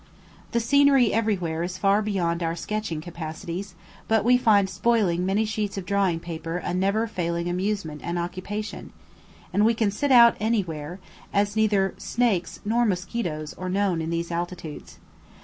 The scenery everywhere is far beyond our sketching capacities, but we find spoiling many sheets of drawing paper a never failing amusement and occupation; and we can sit out anywhere, as neither snakes nor mosquitoes are known in these altitudes.